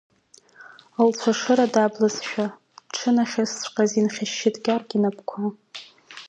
Лцәа ашыра даблызшәа, дшынахьысҵәҟьаз инхьышьшьит Гьаргь инап-қәа.